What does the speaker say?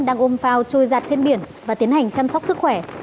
đang ôm phao trôi giặt trên biển và tiến hành chăm sóc sức khỏe